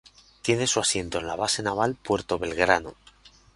Tiene su asiento en la Base Naval Puerto Belgrano.